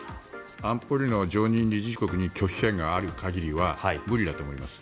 安保理の常任理事国に拒否権がある限りは無理だと思います。